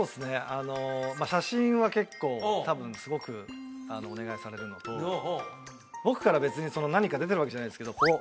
あの写真は結構多分すごくお願いされるのと僕から別に何か出てるわけじゃないんですけどこう